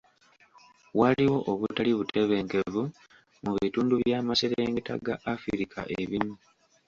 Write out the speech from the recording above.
Waliwo obutali butebenkevu mu bitundu by'amaserengeta ga Africa ebimu.